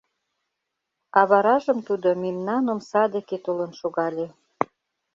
А варажым тудо мемнан омса деке толын шогале.